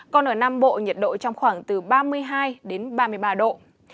còn ở nam bộ nhiệt độ trong khoảng từ ba mươi hai đến ba mươi ba độ